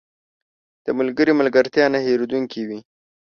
• د ملګري ملګرتیا نه هېریدونکې وي.